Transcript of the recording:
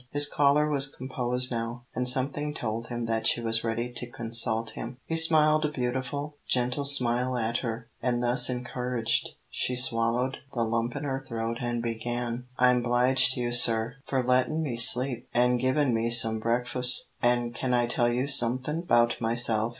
His caller was composed now, and something told him that she was ready to consult him. He smiled a beautiful, gentle smile at her, and thus encouraged, she swallowed the lump in her throat and began: "I'm 'bliged to you, sir, for lettin' me sleep an' givin' me some breakfus, an' can I tell you somethin' 'bout myself?